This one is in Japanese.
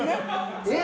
えっ？